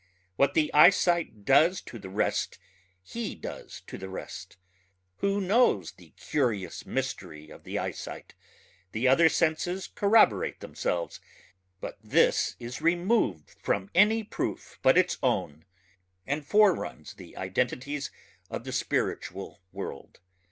What the eyesight does to the rest he does to the rest. Who knows the curious mystery of the eyesight? The other senses corroborate themselves, but this is removed from any proof but its own and foreruns the identities of the spiritual world.